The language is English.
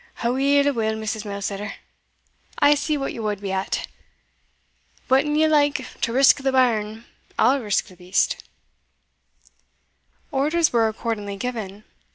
"Aweel, aweel, Mrs. Mailsetter, I see what ye wad be at but an ye like to risk the bairn, I'll risk the beast." Orders were accordingly given.